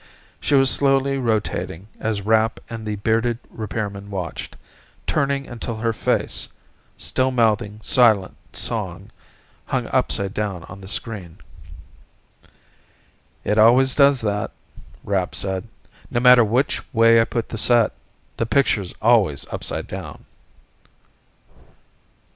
She was slowly rotating as Rapp and the bearded repairman watched, turning until her face, still mouthing silent song, hung upside down on the screen. "It always does that," Rapp said. "No matter which way I put the set, the picture's always upside down."